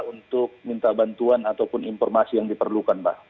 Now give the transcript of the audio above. untuk minta bantuan ataupun informasi yang diperlukan mbak